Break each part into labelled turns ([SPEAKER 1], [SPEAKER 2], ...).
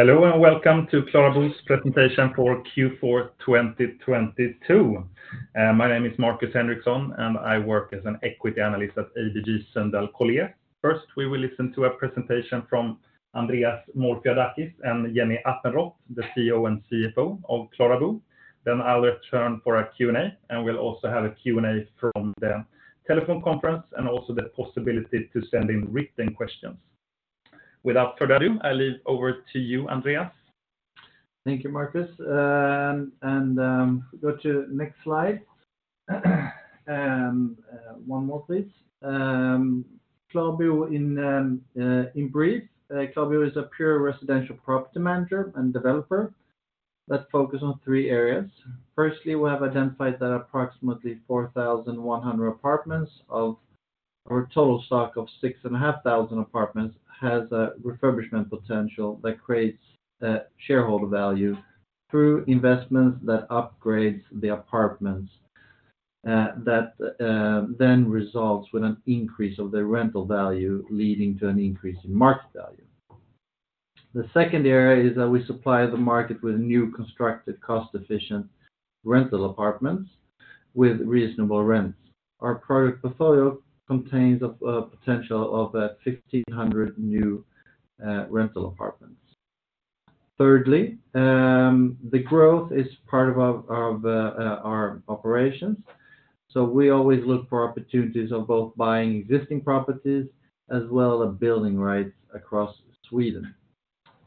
[SPEAKER 1] Hello, and welcome to KlaraBo's presentation for Q4 2022. My name is Markus Henriksson, and I work as an equity analyst at ABG Sundal Collier. First, we will listen to a presentation from Andreas Morfiadakis and Jenny Appenrodt, the CEO and CFO of KlaraBo. I will return for a Q&A. We'll also have a Q&A from the telephone conference. Also the possibility to send in written questions. Without further ado, I leave over to you, Andreas.
[SPEAKER 2] Thank you, Markus, go to next slide. One more please. KlaraBo in brief. KlaraBo is a pure residential property manager and developer that focus on three areas. Firstly, we have identified that approximately 4,100 apartments of our total stock of 6,500 apartments has a refurbishment potential that creates shareholder value through investments that upgrades the apartments that then results with an increase of the rental value, leading to an increase in market value. The second area is that we supply the market with new constructed, cost-efficient rental apartments with reasonable rents. Our product portfolio contains of a potential of 1,500 new rental apartments. Thirdly, the growth is part of our operations. We always look for opportunities of both buying existing properties as well as building rights across Sweden.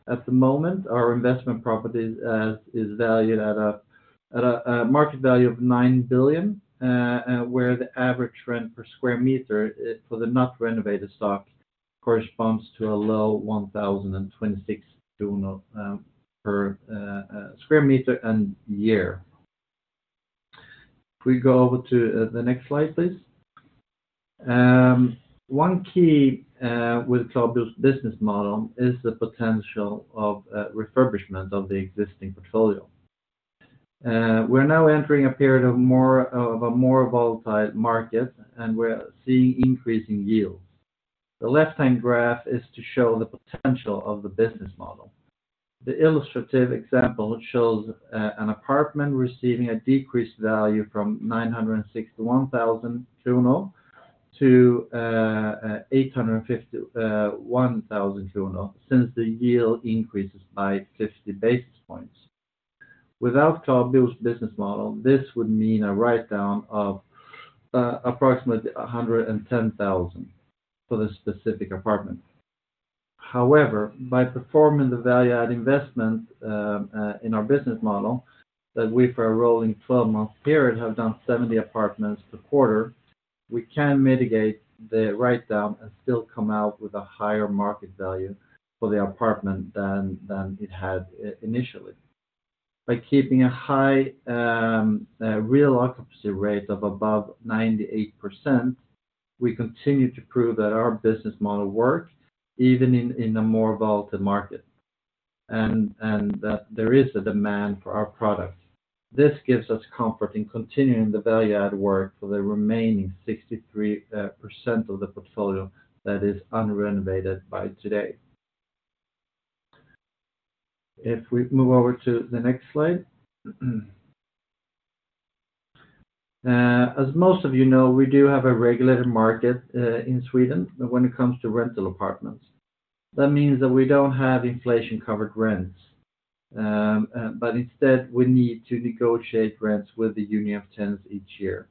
[SPEAKER 2] At the moment, our investment properties is valued at a market value of 9 billion, where the average rent per square meter for the not renovated stock corresponds to a low 1,026 per square meter and year. We go over to the next slide, please. One key with KlaraBo's business model is the potential of refurbishment of the existing portfolio. We're now entering a period of a more volatile market. We're seeing increasing yields. The left-hand graph is to show the potential of the business model. The illustrative example shows an apartment receiving a decreased value from 961 thousand-851 thousand kronor, since the yield increases by 50 basis points. Without KlaraBo's business model, this would mean a write-down of approximately 110 thousand for this specific apartment. By performing the value-add investment in our business model that we for a rolling 12-month period have done 70 apartments per quarter, we can mitigate the write-down and still come out with a higher market value for the apartment than it had initially. By keeping a high real occupancy rate of above 98%, we continue to prove that our business model works even in a more volatile market, and that there is a demand for our products. This gives us comfort in continuing the value-add work for the remaining 63% of the portfolio that is unrenovated by today. We move over to the next slide. As most of you know, we do have a regulated market in Sweden when it comes to rental apartments. That means that we don't have inflation-covered rents, but instead, we need to negotiate rents with the Union of Tenants each year.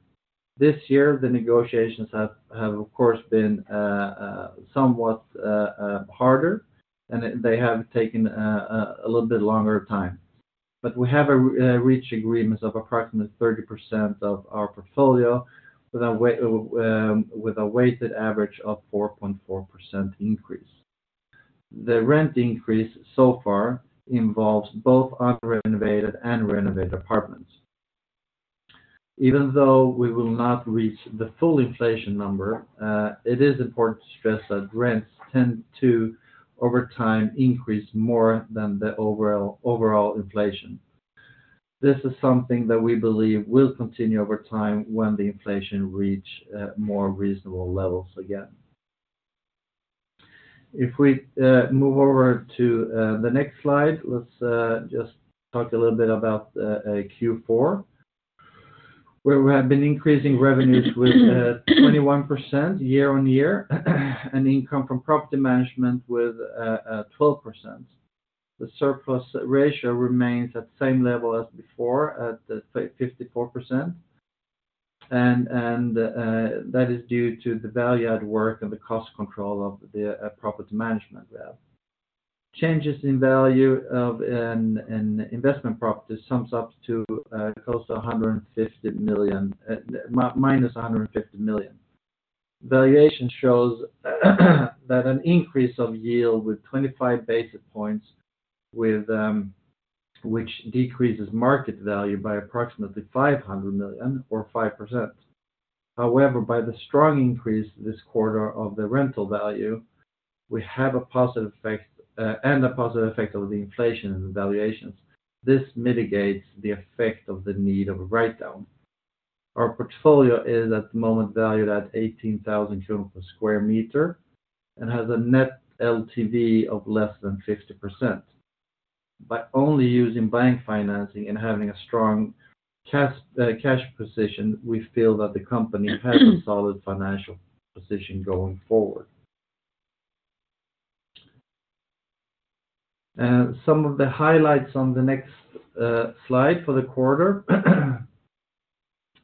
[SPEAKER 2] This year, the negotiations have of course been somewhat harder, and they have taken a little bit longer time. We have reached agreements of approximately 30% of our portfolio with a weighted average of 4.4% increase. The rent increase so far involves both unrenovated and renovated apartments. Even though we will not reach the full inflation number, it is important to stress that rents tend to, over time, increase more than the overall inflation. This is something that we believe will continue over time when the inflation reach more reasonable levels again. If we move over to the next slide, let's just talk a little bit about Q4, where we have been increasing revenues with 21% year-over-year, and income from property management with 12%. The surplus ratio remains at the same level as before at 54%, and that is due to the value-add work and the cost control of the property management there. Changes in value of an investment property sums up to close to 150 million, -150 million. Valuation shows that an increase of yield with 25 basis points, which decreases market value by approximately 500 million or 5%. By the strong increase this quarter of the rental value, we have a positive effect and a positive effect of the inflation and the valuations. This mitigates the effect of the need of a write-down. Our portfolio is at the moment valued at 18,000 kronor per square meter, and has a net LTV of less than 50%. By only using bank financing and having a strong cash position, we feel that the company has a solid financial position going forward. Some of the highlights on the next slide for the quarter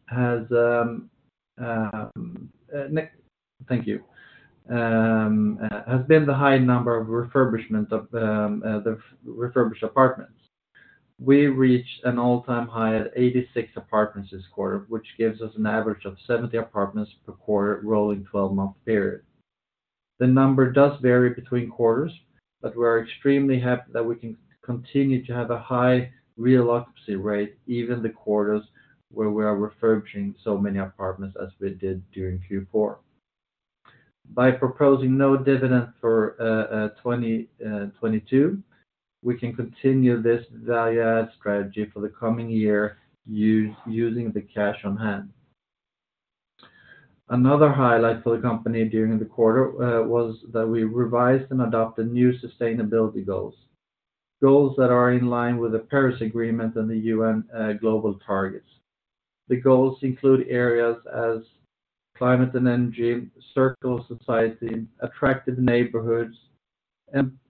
[SPEAKER 2] has thank you has been the high number of refurbishment of the refurbished apartments. We reached an all-time high at 86 apartments this quarter, which gives us an average of 70 apartments per quarter rolling 12-month period. The number does vary between quarters. We are extremely happy that we can continue to have a high re-occupancy rate, even the quarters where we are refurbishing so many apartments as we did during Q4. By proposing no dividend for 2022, we can continue this value add strategy for the coming year us-using the cash on hand. Another highlight for the company during the quarter was that we revised and adopted new sustainability goals. Goals that are in line with the Paris Agreement and the UN global targets. The goals include areas as climate and energy, circle society, attractive neighborhoods,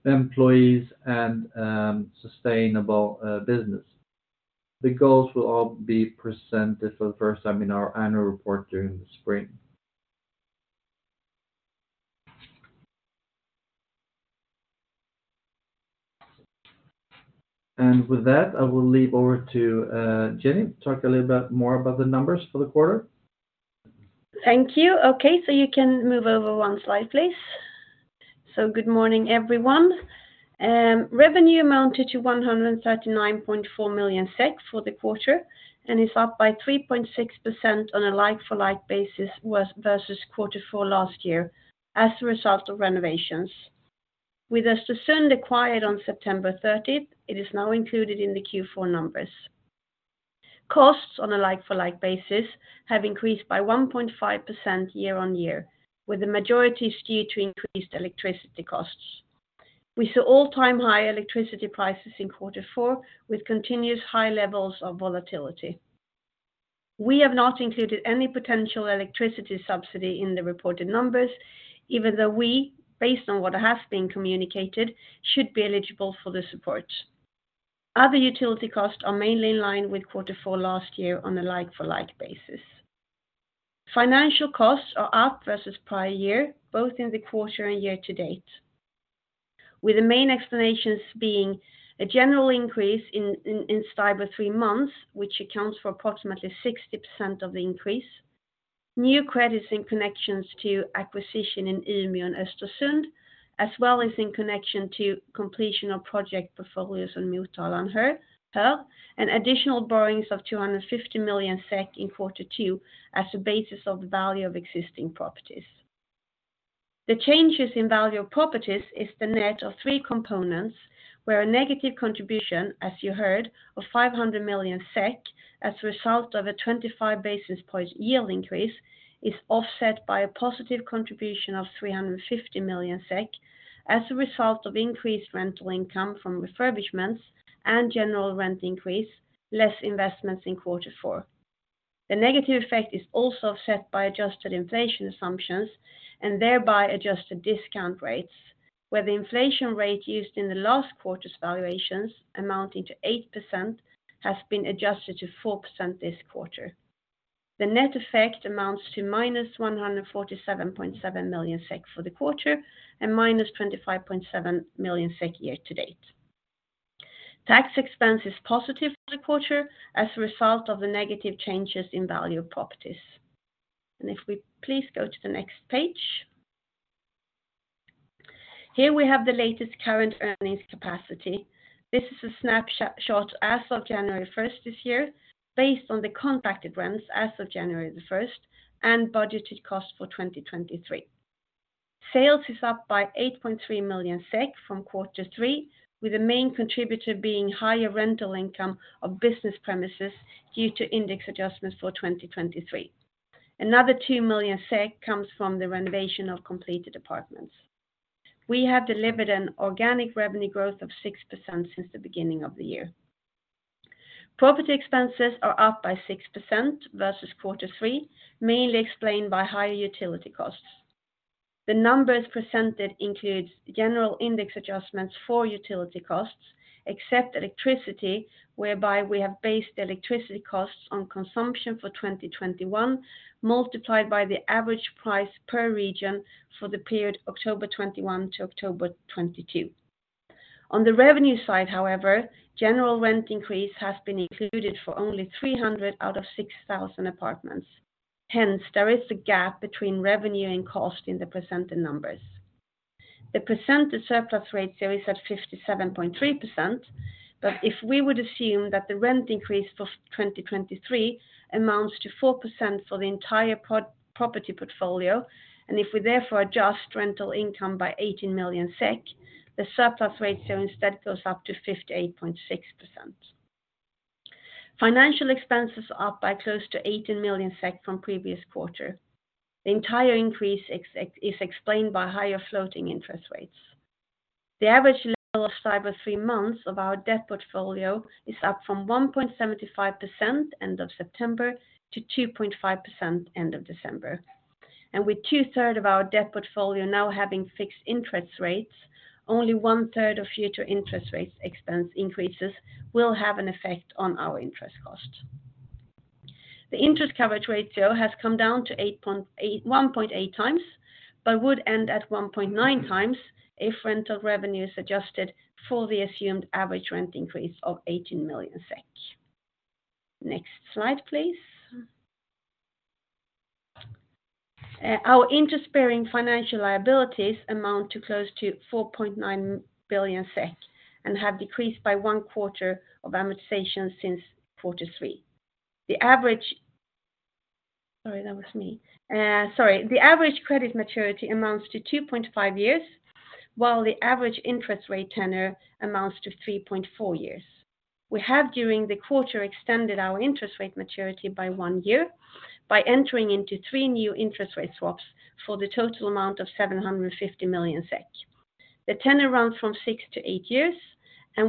[SPEAKER 2] employees, and sustainable business. The goals will all be presented for the first time in our annual report during the spring. With that, I will leave over to Jenny to talk a little bit more about the numbers for the quarter.
[SPEAKER 3] Thank you. Okay, you can move over one slide, please. Good morning, everyone. Revenue amounted to 139.4 million SEK for the quarter, and is up by 3.6% on a like for like basis versus Q4 last year as a result of renovations. With Östersund acquired on September thirtieth, it is now included in the Q4 numbers. Costs on a like for like basis have increased by 1.5% year-on-year, with the majority due to increased electricity costs. We saw all-time high electricity prices in Q4, with continuous high levels of volatility. We have not included any potential electricity subsidy in the reported numbers, even though we, based on what has been communicated, should be eligible for the support. Other utility costs are mainly in line with quarter four last year on a like for like basis. Financial costs are up versus prior year, both in the quarter and year-to-date. With the main explanations being a general increase in STIBOR 3 months, which accounts for approximately 60% of the increase. New credits in connections to acquisition in Umeå and Östersund, as well as in connection to completion of project portfolios on Motala and Höör. Additional borrowings of 250 million SEK in quarter two as a basis of the value of existing properties. The changes in value of properties is the net of three components, where a negative contribution, as you heard, of 500 million SEK as a result of a 25 basis point yield increase is offset by a positive contribution of 350 million SEK as a result of increased rental income from refurbishments and general rent increase, less investments in quarter four. The negative effect is also offset by adjusted inflation assumptions, and thereby adjusted discount rates, where the inflation rate used in the last quarter's valuations amounting to 8% has been adjusted to 4% this quarter. The net effect amounts to -147.7 million SEK for the quarter and -25.7 million SEK year-to-date. Tax expense is positive for the quarter as a result of the negative changes in value properties. If we please go to the next page. Here we have the latest current earnings capacity. This is a snapshot as of January first this year, based on the contracted rents as of January the first and budgeted costs for 2023. Sales is up by 8.3 million SEK from quarter three, with the main contributor being higher rental income of business premises due to index adjustments for 2023. Another 2 million SEK comes from the renovation of completed apartments. We have delivered an organic revenue growth of 6% since the beginning of the year. Property expenses are up by 6% versus quarter three, mainly explained by higher utility costs. The numbers presented includes general index adjustments for utility costs, except electricity, whereby we have based electricity costs on consumption for 2021, multiplied by the average price per region for the period October 21 to October 2022. On the revenue side, however, general rent increase has been included for only 300 out of 6,000 apartments. There is a gap between revenue and cost in the presented numbers. The presented surplus rates there is at 57.3%. If we would assume that the rent increase for 2023 amounts to 4% for the entire pro-property portfolio, and if we therefore adjust rental income by 18 million SEK, the surplus ratio instead goes up to 58.6%. Financial expenses are up by close to 18 million SEK from previous quarter. The entire increase is explained by higher floating interest rates. The average level of STIBOR 3 months of our debt portfolio is up from 1.75% end of September to 2.5% end of December. With two-third of our debt portfolio now having fixed interest rates, only one-third of future interest rates expense increases will have an effect on our interest cost. The interest coverage ratio has come down to 1.8x, would end at 1.9x if rental revenue is adjusted for the assumed average rent increase of 18 million SEK. Next slide, please. Our interest-bearing financial liabilities amount to close to 4.9 billion SEK have decreased by one quarter of amortization since quarter three. Sorry, that was me. Sorry. The average credit maturity amounts to 2.5 years, while the average interest rate tenor amounts to 3.4 years. We have, during the quarter, extended our interest rate maturity by one year by entering into three new interest rate swaps for the total amount of 750 million SEK. The tenor runs from six to eight years,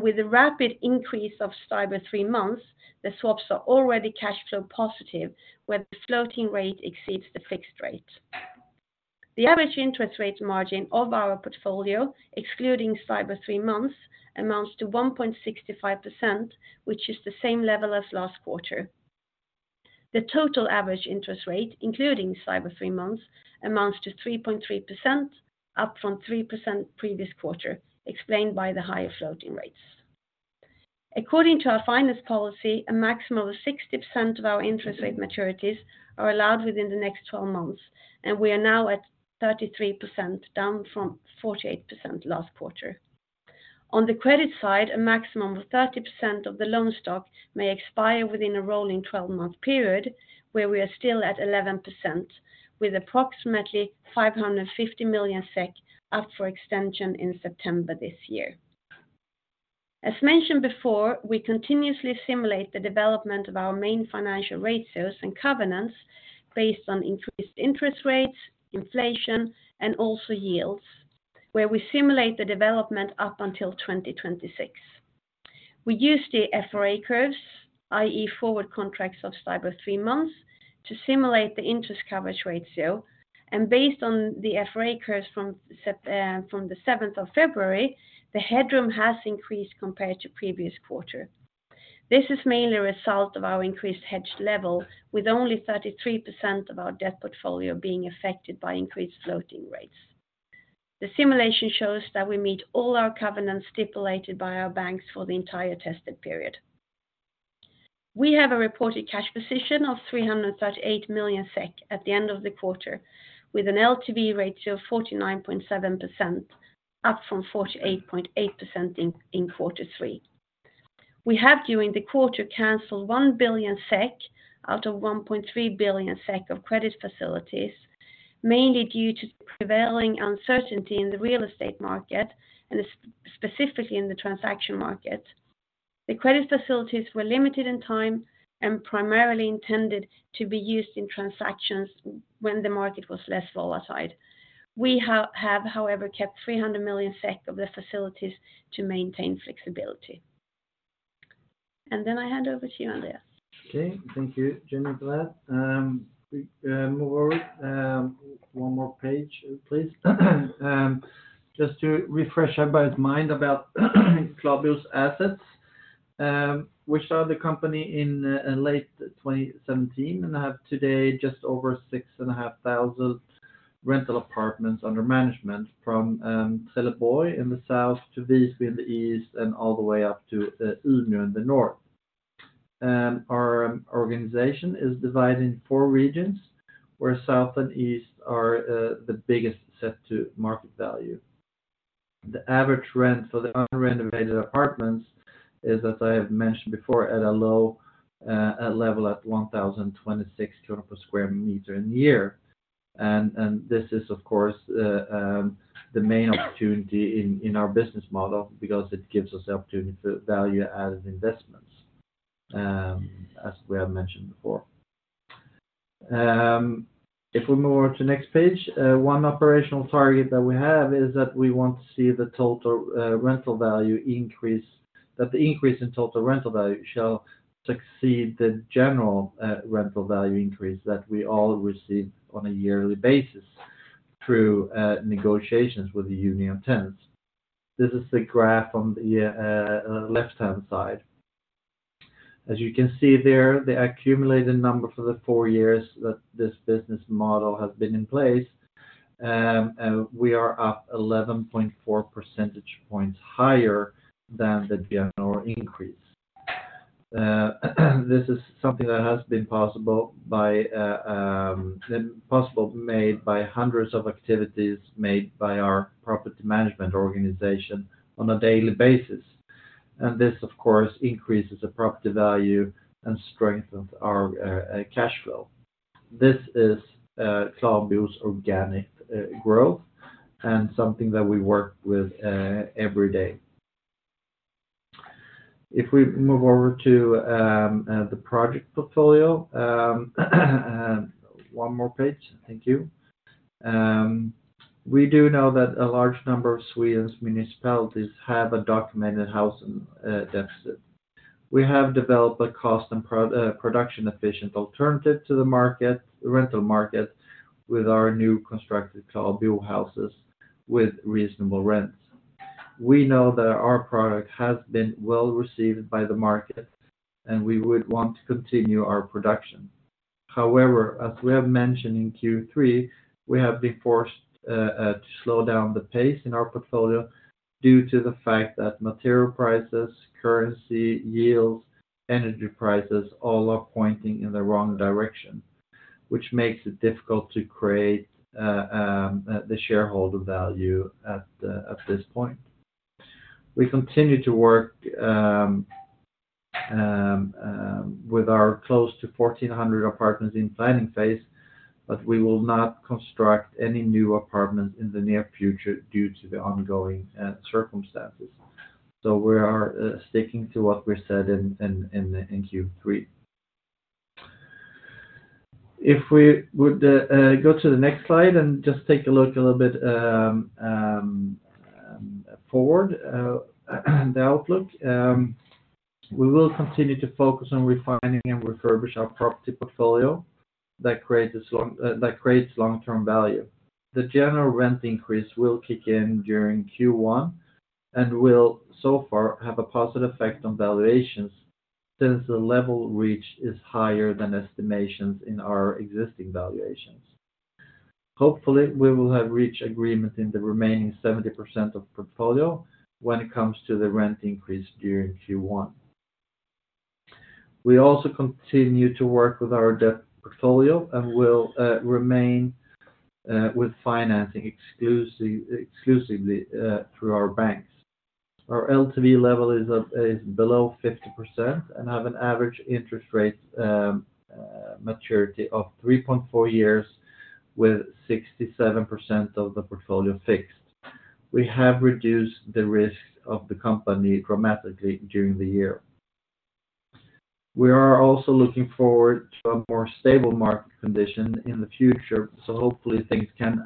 [SPEAKER 3] with a rapid increase of STIBOR 3 months, the swaps are already cash flow positive, where the floating rate exceeds the fixed rate. The average interest rate margin of our portfolio, excluding STIBOR 3 months, amounts to 1.65%, which is the same level as last quarter. The total average interest rate, including STIBOR 3 months, amounts to 3.3%, up from 3% previous quarter, explained by the higher floating rates. According to our finance policy, a maximum of 60% of our interest rate maturities are allowed within the next 12 months, we are now at 33%, down from 48% last quarter. On the credit side, a maximum of 30% of the loan stock may expire within a rolling 12-month period, where we are still at 11%, with approximately 550 million SEK up for extension in September this year. As mentioned before, we continuously simulate the development of our main financial ratios and covenants based on increased interest rates, inflation, and also yields, where we simulate the development up until 2026. We use the FRA curves, i.e., forward contracts of STIBOR 3 months, to simulate the interest coverage ratio. Based on the FRA curves from the 7th of February, the headroom has increased compared to previous quarter. This is mainly a result of our increased hedged level, with only 33% of our debt portfolio being affected by increased floating rates. The simulation shows that we meet all our covenants stipulated by our banks for the entire tested period. We have a reported cash position of 338 million SEK at the end of the quarter, with an LTV ratio of 49.7%, up from 48.8% in Q3. We have, during the quarter, canceled 1 billion SEK out of 1.3 billion SEK of credit facilities, mainly due to prevailing uncertainty in the real estate market, and specifically in the transaction market. The credit facilities were limited in time and primarily intended to be used in transactions when the market was less volatile. We have, however, kept 300 million SEK of the facilities to maintain flexibility. I hand over to you, Andreas.
[SPEAKER 2] Okay. Thank you, Jenny Appenrodt and Vlad. We move over one more page, please. Just to refresh everybody's mind about KlaraBo assets. We started the company in late 2017 and have today just over 6,500 rental apartments under management from Trelleborg in the south to Visby in the east and all the way up to Umeå in the north. Our organization is divided in four regions, where south and east are the biggest set to market value. The average rent for the unrenovated apartments is, as I have mentioned before, at a low level at 1,026 per square meter in a year. This is, of course, the main opportunity in our business model because it gives us opportunity for value-added investments, as we have mentioned before. If we move on to next page, one operational target that we have is that we want to see the total rental value increase. That the increase in total rental value shall exceed the general rental value increase that we all receive on a yearly basis through negotiations with the Union of Tenants. This is the graph on the left-hand side. As you can see there, the accumulated number for the four years that this business model has been in place, we are up 11.4 percentage points higher than the general increase. This is something that has been possible by possible made by hundreds of activities made by our property management organization on a daily basis. This, of course, increases the property value and strengthens our cash flow. This is KlaraBo organic growth. Something that we work with every day. If we move over to the project portfolio, and one more page. Thank you. We do know that a large number of Sweden's municipalities have a documented housing deficit. We have developed a cost and production efficient alternative to the market, rental market with our new constructed KlaraBo houses with reasonable rents. We know that our product has been well received by the market, and we would want to continue our production. However, as we have mentioned in Q3, we have been forced to slow down the pace in our portfolio due to the fact that material prices, currency, yields, energy prices, all are pointing in the wrong direction, which makes it difficult to create the shareholder value at this point. We continue to work with our close to 1,400 apartments in planning phase. We will not construct any new apartments in the near future due to the ongoing circumstances. We are sticking to what we said in Q3. If we would go to the next slide and just take a look a little bit forward, the outlook. We will continue to focus on refining and refurbish our property portfolio that creates long, that creates long-term value. The general rent increase will kick in during Q1 and will so far have a positive effect on valuations since the level reached is higher than estimations in our existing valuations. Hopefully, we will have reached agreement in the remaining 70% of portfolio when it comes to the rent increase during Q1. We also continue to work with our debt portfolio and will remain with financing exclusively through our banks. Our LTV level is below 50% and have an average interest rate maturity of 3.4 years with 67% of the portfolio fixed. We have reduced the risk of the company dramatically during the year. We are also looking forward to a more stable market condition in the future, hopefully things can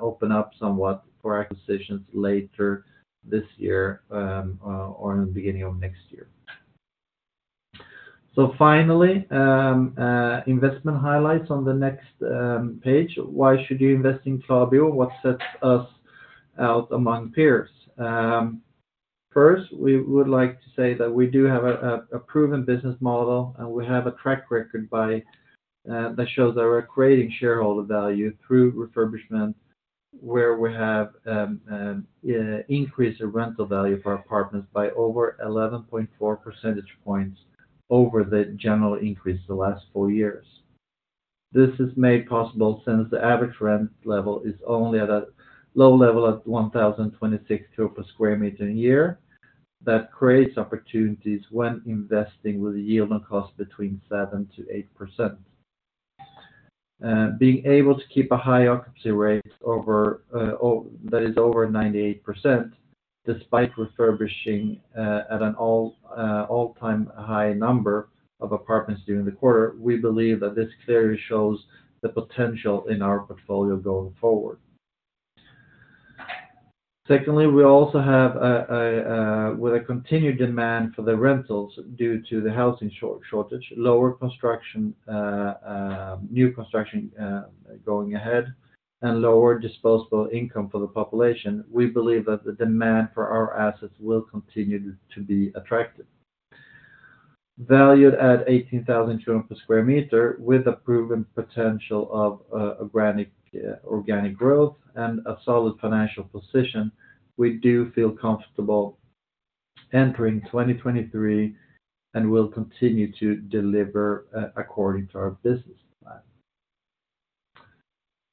[SPEAKER 2] open up somewhat for acquisitions later this year or in the beginning of next year. Finally, investment highlights on the next page. Why should you invest in KlaraBo? What sets us out among peers? First, we would like to say that we do have a proven business model. We have a track record by that shows that we're creating shareholder value through refurbishment, where we have increased the rental value for our partners by over 11.4 percentage points over the general increase the last four years. This is made possible since the average rent level is only at a low level of 1,026 per square meter a year. That creates opportunities when investing with a yield on cost between 7%-8%. Being able to keep a high occupancy rate over that is over 98% despite refurbishing at an all-time high number of apartments during the quarter, we believe that this clearly shows the potential in our portfolio going forward. Secondly, we also have With a continued demand for the rentals due to the housing shortage, lower construction, new construction going ahead, and lower disposable income for the population, we believe that the demand for our assets will continue to be attractive. Valued at 18,200 per square meter with a proven potential of organic growth and a solid financial position, we do feel comfortable entering 2023, and we'll continue to deliver according to our business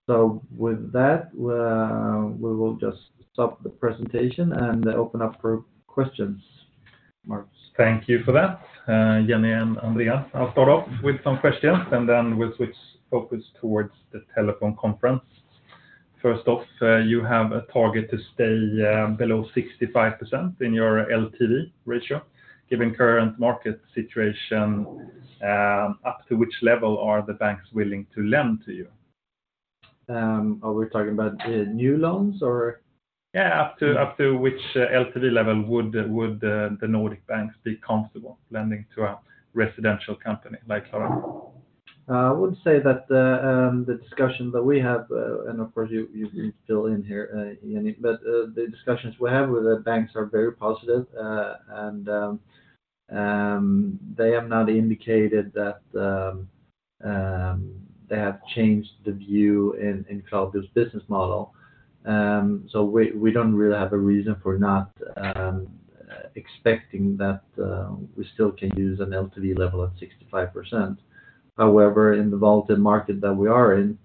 [SPEAKER 2] plan. With that, we will just stop the presentation and open up for questions. Markus.
[SPEAKER 1] Thank you for that, Jenny and Andreas. I'll start off with some questions and then we'll switch focus towards the telephone conference. First off, you have a target to stay below 65% in your LTV ratio. Given current market situation, up to which level are the banks willing to lend to you?
[SPEAKER 2] Are we talking about new loans or?
[SPEAKER 1] Yeah. Up to which LTV level would the Nordic banks be comfortable lending to a residential company like KlaraBo?
[SPEAKER 2] I would say that the discussion that we have, and of course you fill in here, Jenny, but the discussions we have with the banks are very positive. They have not indicated that they have changed the view in KlaraBo's business model. So we don't really have a reason for not expecting that we still can use an LTV level at 65%. In the vaulted market that we are in,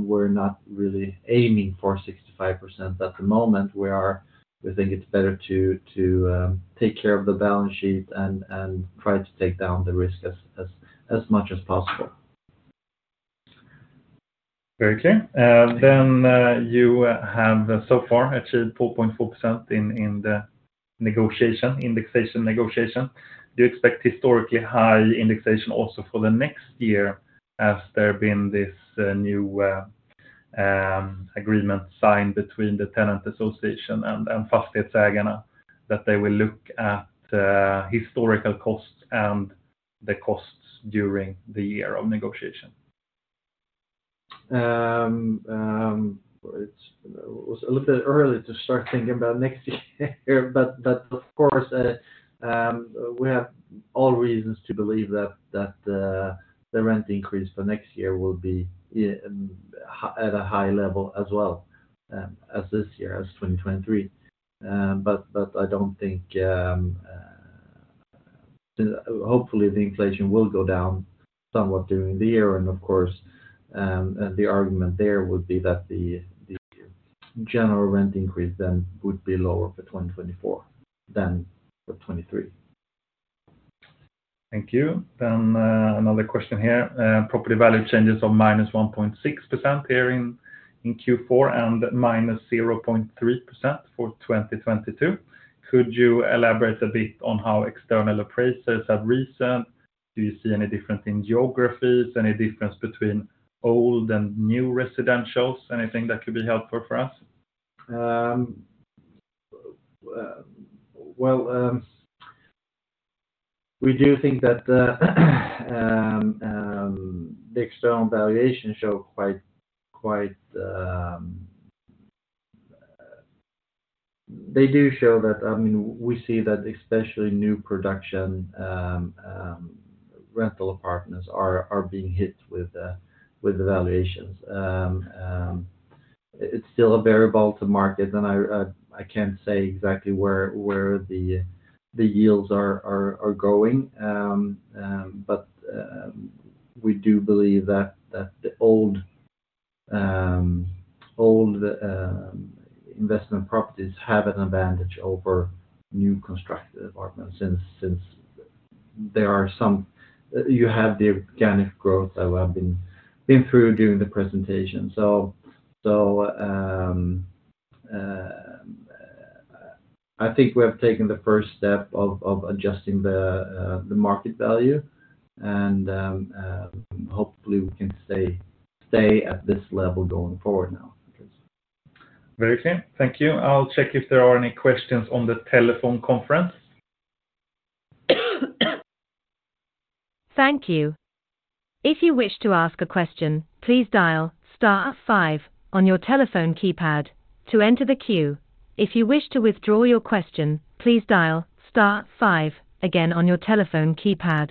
[SPEAKER 2] we're not really aiming for 65%. At the moment, we think it's better to take care of the balance sheet and try to take down the risk as much as possible.
[SPEAKER 1] Very clear. You have so far achieved 4.4% in the negotiation, indexation negotiation. Do you expect historically high indexation also for the next year as there have been this new agreement signed between the tenant association and Fastighetsägarna that they will look at historical costs and the costs during the year of negotiation?
[SPEAKER 2] It's, you know, it's a little bit early to start thinking about next year. Of course, we have all reasons to believe that the rent increase for next year will be at a high level as well, as this year, as 2023. But I don't think, hopefully the inflation will go down somewhat during the year. Of course, the argument there would be that the general rent increase then would be lower for 2024 than for 2023.
[SPEAKER 1] Thank you. Another question here. Property value changes of minus 1.6% here in Q4 and minus 0.3% for 2022. Could you elaborate a bit on how external appraisers have recent? Do you see any difference in geographies? Any difference between old and new residentials? Anything that could be helpful for us?
[SPEAKER 2] Well, we do think that the external valuation show quite. They do show that, I mean, we see that especially new production rental apartments are being hit with the valuations. It's still a variable to market, and I can't say exactly where the yields are going. We do believe that the old investment properties have an advantage over new constructed apartments since there are some. You have the organic growth that we have been through during the presentation. I think we have taken the first step of adjusting the market value, and hopefully we can stay at this level going forward now.
[SPEAKER 1] Very clear. Thank you. I'll check if there are any questions on the telephone conference.
[SPEAKER 4] Thank you. If you wish to ask a question, please dial star five on your telephone keypad to enter the queue. If you wish to withdraw your question, please dial star five again on your telephone keypad.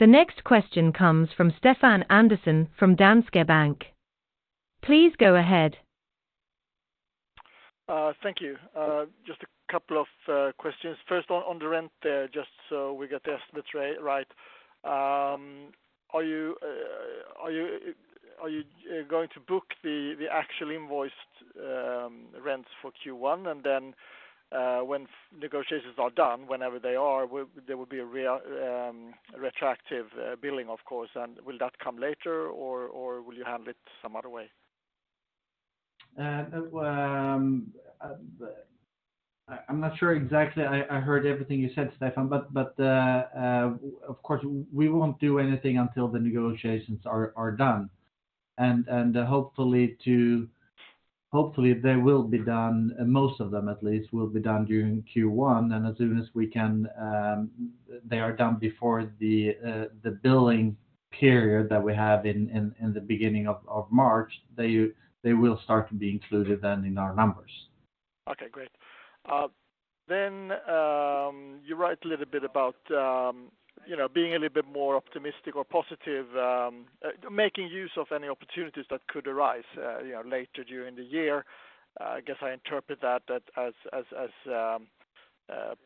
[SPEAKER 4] The next question comes from Stefan Andersson from Danske Bank. Please go ahead.
[SPEAKER 5] Thank you. Just a couple of questions. First on the rent there, just so we get the estimate right. Are you going to book the actual invoiced rents for Q1? When negotiations are done, whenever they are, there will be a real retroactive billing, of course. Will that come later or will you handle it some other way?
[SPEAKER 2] I'm not sure exactly. I heard everything you said, Stefan, but, of course, we won't do anything until the negotiations are done. Hopefully they will be done, most of them at least, will be done during Q1. As soon as we can, they are done before the billing period that we have in the beginning of March, they will start to be included then in our numbers.
[SPEAKER 5] Okay, great. You write a little bit about, you know, being a little bit more optimistic or positive, making use of any opportunities that could arise, you know, later during the year. I guess I interpret that as, as,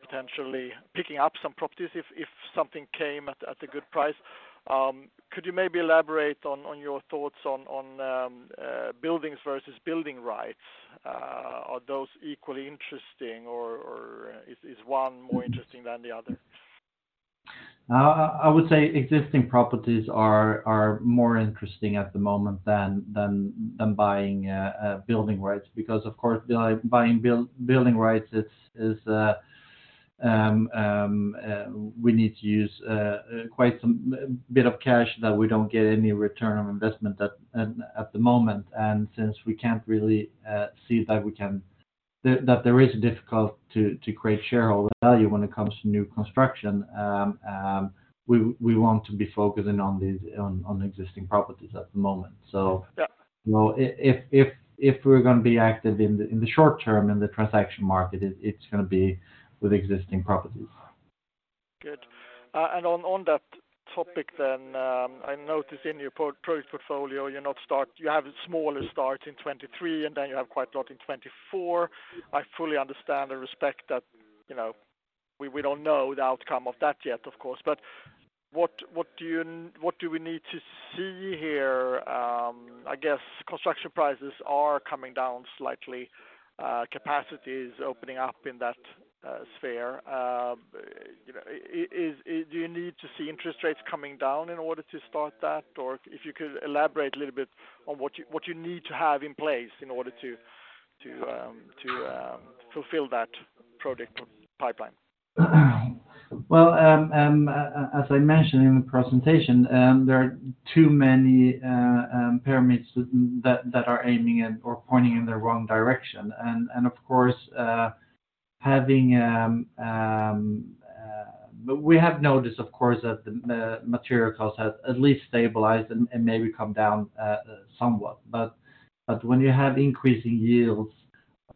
[SPEAKER 5] potentially picking up some properties if something came at a, at a good price. Could you maybe elaborate on your thoughts on, buildings versus building rights? Are those equally interesting or is one more interesting than the other?
[SPEAKER 2] I would say existing properties are more interesting at the moment than buying building rights, because of course, buying building rights is we need to use quite some bit of cash that we don't get any return on investment at the moment. Since we can't really see that there is a difficult to create shareholder value when it comes to new construction, we want to be focusing on these on existing properties at the moment.
[SPEAKER 5] Yeah.
[SPEAKER 2] You know, if we're going to be active in the short term in the transaction market, it's going to be with existing properties.
[SPEAKER 5] Good. On that topic then, I noticed in your product portfolio, you have a smaller start in 2023, and then you have quite a lot in 2024. I fully understand and respect that, you know, we don't know the outcome of that yet, of course. What do we need to see here? I guess construction prices are coming down slightly. Capacity is opening up in that sphere. You know, do you need to see interest rates coming down in order to start that? If you could elaborate a little bit on what you need to have in place in order to fulfill that project pipeline.
[SPEAKER 2] As I mentioned in the presentation, there are too many pyramids that are aiming in or pointing in the wrong direction. Of course, we have noticed, of course, that the material costs have at least stabilized and maybe come down somewhat. When you have increasing yields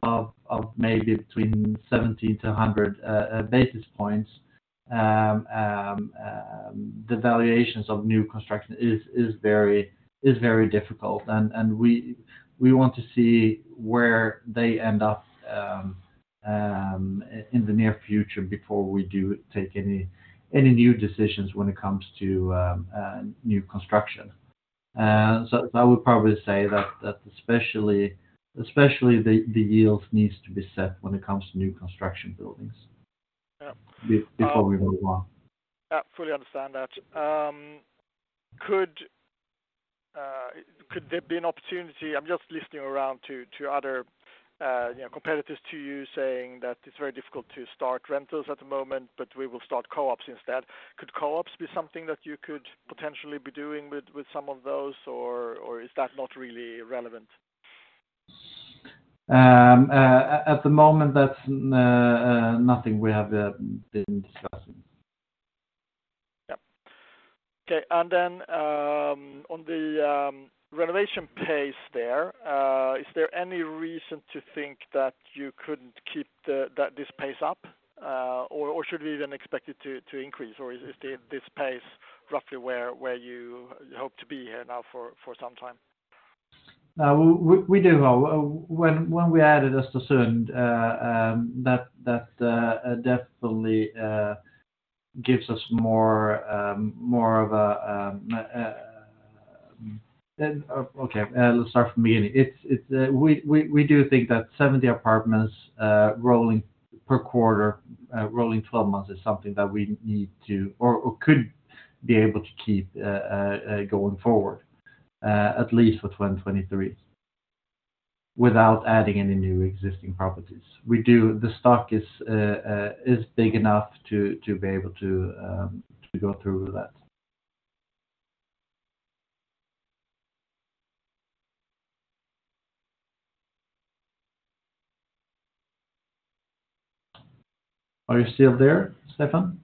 [SPEAKER 2] of maybe between 70-100 basis points, the valuations of new construction is very difficult. We want to see where they end up in the near future before we do take any new decisions when it comes to new construction. I would probably say that especially the yields needs to be set when it comes to new construction.
[SPEAKER 5] Yeah.
[SPEAKER 2] Before we move on.
[SPEAKER 5] I fully understand that. Could there be an opportunity... I'm just listening around to other, you know, competitors to you saying that it's very difficult to start rentals at the moment, but we will start co-ops instead. Could co-ops be something that you could potentially be doing with some of those or is that not really relevant?
[SPEAKER 2] At the moment, that's nothing we have been discussing.
[SPEAKER 5] Yeah. Okay. Then, on the renovation pace there, is there any reason to think that you couldn't keep that this pace up? Should we even expect it to increase? Is this pace roughly where you hope to be here now for some time?
[SPEAKER 2] No, we do hope. When we added Östersund, that definitely gives us more, more of a. Okay, let's start from beginning. It's. We do think that 70 apartments rolling per quarter, rolling 12 months is something that we need to or could be able to keep going forward, at least for 2023, without adding any new existing properties. We do. The stock is big enough to be able to go through that. Are you still there, Stephan?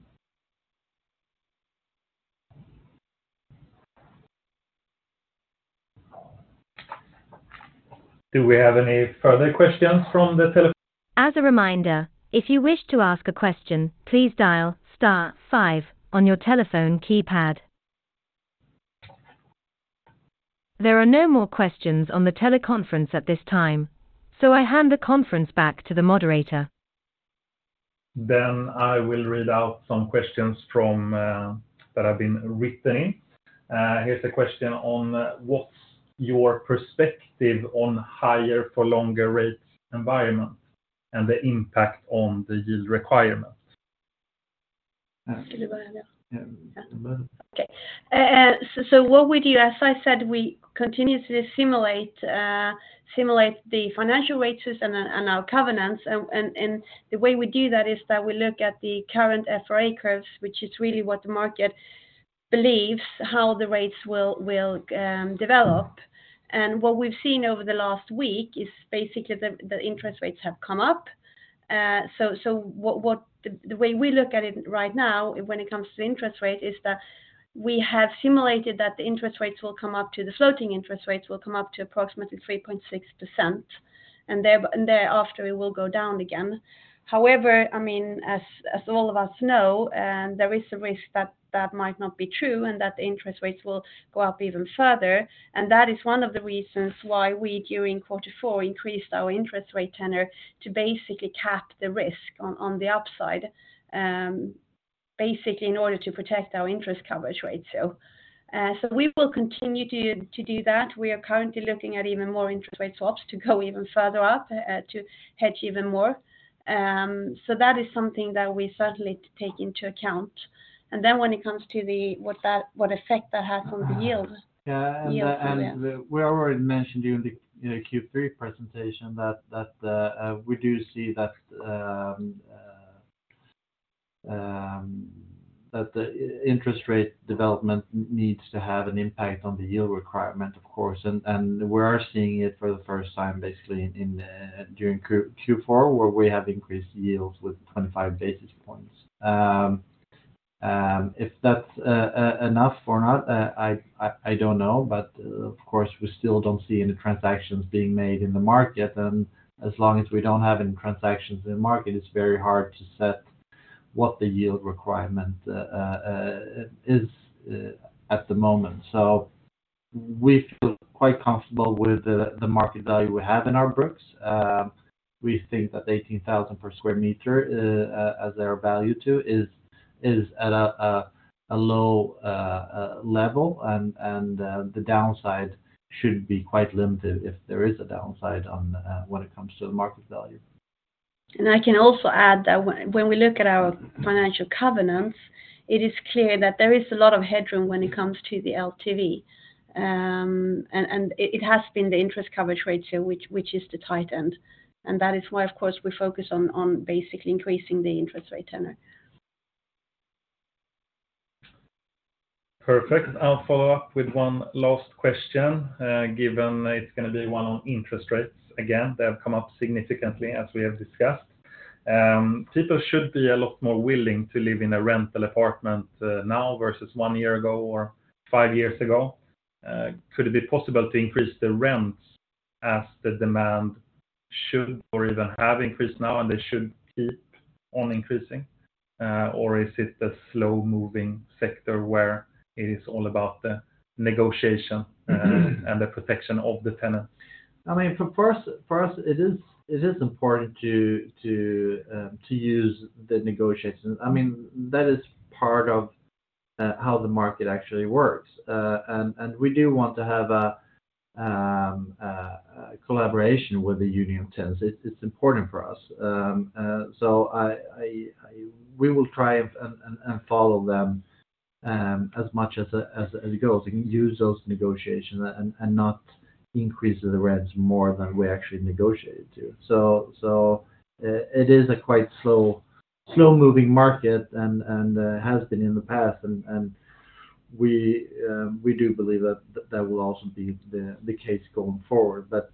[SPEAKER 2] Do we have any further questions from the tele-?
[SPEAKER 4] As a reminder, if you wish to ask a question, please dial star five on your telephone keypad. There are no more questions on the teleconference at this time. I hand the conference back to the moderator.
[SPEAKER 1] I will read out some questions from that have been written in. Here's a question on what's your perspective on higher for longer rates environment and the impact on the yield requirement.
[SPEAKER 3] What we do, as I said, we continue to simulate the financial rates and our covenants. The way we do that is that we look at the current FRA curves, which is really what the market believes, how the rates will develop. What we've seen over the last week is basically the interest rates have come up. The way we look at it right now when it comes to interest rate is that we have simulated that the floating interest rates will come up to approximately 3.6%, and thereafter it will go down again. I mean, as all of us know, there is a risk that that might not be true and that the interest rates will go up even further. That is one of the reasons why we, during quarter four, increased our interest rate tenor to basically cap the risk on the upside, basically in order to protect our interest coverage ratio. We will continue to do that. We are currently looking at even more interest rate swaps to go even further up, to hedge even more. That is something that we certainly take into account. When it comes to the what effect that has on the yield.
[SPEAKER 2] Yeah. We already mentioned during the Q3 presentation that we do see that the interest rate development needs to have an impact on the yield requirement, of course. We are seeing it for the first time, basically in during Q4, where we have increased yields with 25 basis points. If that's enough or not, I don't know. Of course, we still don't see any transactions being made in the market. As long as we don't have any transactions in the market, it's very hard to set what the yield requirement is at the moment. We feel quite comfortable with the market value we have in our books. We think that 18,000 SEK per square meter, as their value to is at a low level. The downside should be quite limited if there is a downside on, when it comes to the market value.
[SPEAKER 3] I can also add that when we look at our financial covenants, it is clear that there is a lot of headroom when it comes to the LTV. It has been the interest coverage ratio which is the tight end. That is why, of course, we focus on basically increasing the interest rate tenor.
[SPEAKER 1] Perfect. I'll follow up with one last question, given it's going to be one on interest rates again. They have come up significantly, as we have discussed. People should be a lot more willing to live in a rental apartment, now versus one year ago or five years ago. Could it be possible to increase the rents as the demand should or even have increased now, and they should keep on increasing? Or is it a slow-moving sector where it is all about the negotiation and the protection of the tenant?
[SPEAKER 2] I mean, for us, it is important to use the negotiation. I mean, that is part of how the market actually works. And we do want to have a collaboration with the Union of Tenants. It's important for us. So we will try and follow them as much as it goes. You can use those negotiations and not increase the rents more than we actually negotiated to. It is a quite slow-moving market and has been in the past. And we do believe that that will also be the case going forward. But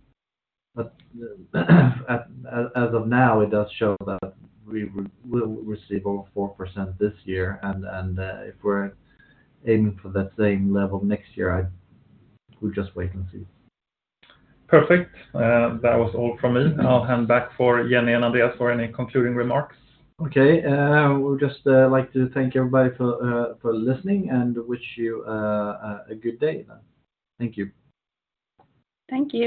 [SPEAKER 2] as of now, it does show that we will receive over 4% this year. If we're aiming for that same level next year, we just wait and see.
[SPEAKER 1] Perfect. That was all from me. I'll hand back for Jenny and Andreas for any concluding remarks.
[SPEAKER 2] Okay. We would just like to thank everybody for for listening and wish you a good day. Thank you.
[SPEAKER 3] Thank you.